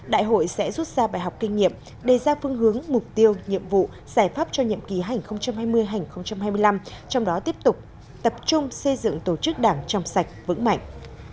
đại hội sẽ rút ra bài học kinh nghiệm đề ra phương hướng mục tiêu nhiệm vụ giải pháp cho nhiệm ký hành hai mươi hai nghìn hai mươi năm trong đó tiếp tục tập trung xây dựng tổ chức đảng trong sạch vững mạnh